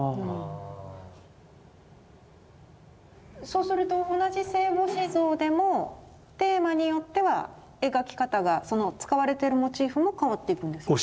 そうすると同じ聖母子像でもテーマによっては描き方がその使われてるモチーフも変わっていくんですか？